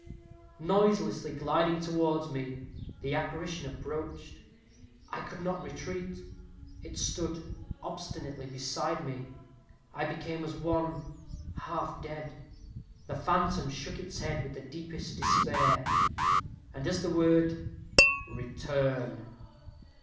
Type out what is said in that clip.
Noiselessly gliding towards me, the apparition approached. I could not retreat. It stood obstinately beside me. I became as one half dead. The phantom shook its head with the deepest despair; and as the word 'Return!'